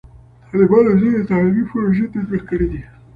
طالبانو ځینې تعلیمي پروژې تطبیق کړي دي.